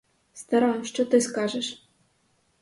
Стара, що ти скажеш?